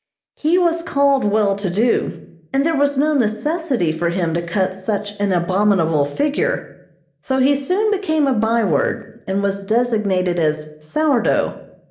He was called well to do, and there was no necessity for him to cut such an abominable figure, so he soon became a by word, and was designated as "sour dough."